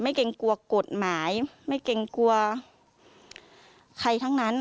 เกรงกลัวกฎหมายไม่เกรงกลัวใครทั้งนั้น